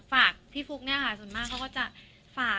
ฝากพี่ฟุ๊กเนี่ยค่ะส่วนมากเขาก็จะฝาก